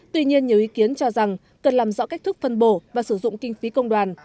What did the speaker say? tuy nhiên nhiều ý kiến cho rằng cần làm rõ cách thức phân bổ và sử dụng kinh phí công đoàn